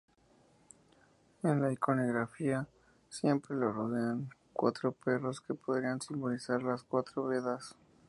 En la iconografía siempre lo rodean cuatro perros, que podrían simbolizar los cuatro "Vedas".